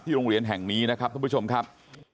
โรงเรียนแห่งนี้นะครับท่านผู้ชมครับ